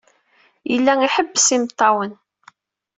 Yella iḥebbes imeṭṭawen.